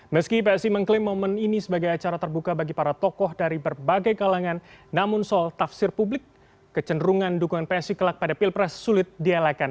meski psi mengklaim momen ini sebagai acara terbuka bagi para tokoh dari berbagai kalangan namun soal tafsir publik kecenderungan dukungan psi kelak pada pilpres sulit dielakkan